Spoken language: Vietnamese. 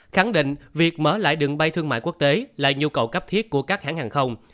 khẳng định việc mở lại đường bay thương mại quốc tế là nhu cầu cấp thiết của các hãng hàng không